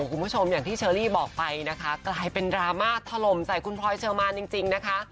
คุณผู้ชมอย่างที่เชอรี่บอกไปนะคะกลายเป็นดราม่าถล่มใส่คุณพลอยเชอร์มานจริงนะคะ